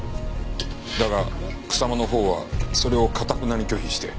だが草間のほうはそれを頑なに拒否して。